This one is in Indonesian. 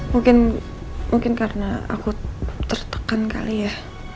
mungkin karena aku tertekan kali ya